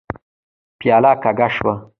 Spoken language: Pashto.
پياله کږه شوه.